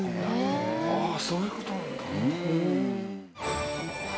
ああそういう事なんだ。